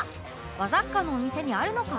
和雑貨のお店にあるのか？